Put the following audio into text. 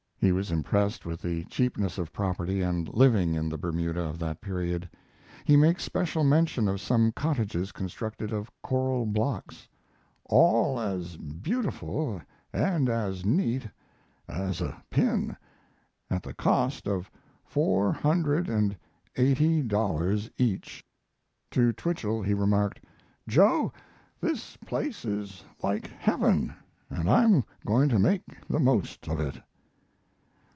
He was impressed with the cheapness of property and living in the Bermuda of that period. He makes special mention of some cottages constructed of coral blocks: "All as beautiful and as neat as a pin, at the cost of four hundred and eighty dollars each." To Twichell he remarked: "Joe, this place is like Heaven, and I'm going to make the most of it."